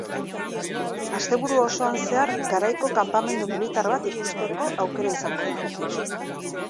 Asteburu osoan zehar, garaiko kanpamendu militar bat ikusteko aukera izango da.